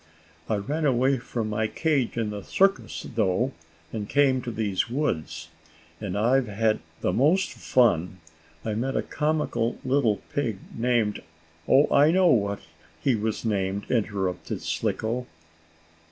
I ran away from my cage in the circus though, and came to these woods. And I've had the most fun! I met a comical little pig named " "Oh, I know what he was named!" interrupted Slicko.